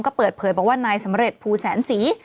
ก็เปิดเผยบอกว่านายสำเร็จภูแสนศรี